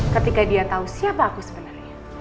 ketika dia tahu siapa aku sebenarnya